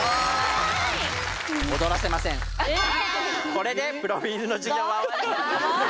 これでプロフィールの授業は終わります。